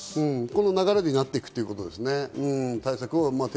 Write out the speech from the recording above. この流れになっていくっていうことですね。